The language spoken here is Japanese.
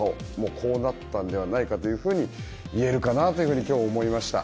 こうなったのではないかというふうに言えるのではないかなと今日は思いました。